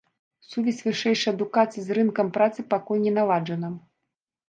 Сувязь вышэйшай адукацыі з рынкам працы пакуль не наладжана.